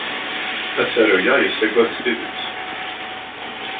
Asaru-a yessagad s tidet.